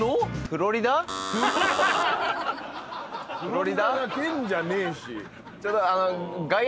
フロリダは県じゃねえし。